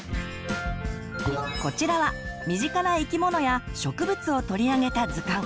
こちらは身近な生き物や植物を取り上げた図鑑。